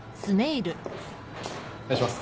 お願いします。